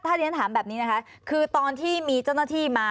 ถ้าเรียนถามแบบนี้นะคะคือตอนที่มีเจ้าหน้าที่มา